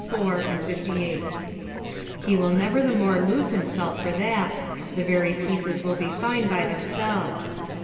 4, 58.] he will never the more lose himself for that; the very pieces will be fine by themselves.